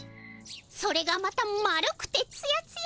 それがまた丸くてツヤツヤ！